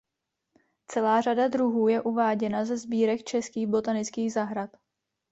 Celá řada druhů je uváděna ze sbírek českých botanických zahrad.